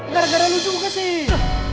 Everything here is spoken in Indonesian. gara gara lu juga sih